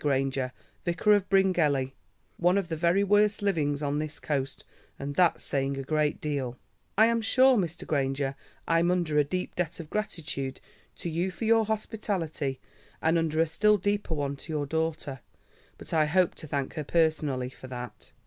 Granger, Vicar of Bryngelly, one of the very worst livings on this coast, and that's saying a great deal." "I am sure, Mr. Granger, I'm under a deep debt of gratitude to you for your hospitality, and under a still deeper one to your daughter, but I hope to thank her personally for that."